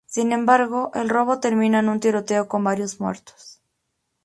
Sin embargo, el robo termina en un tiroteo con varios muertos.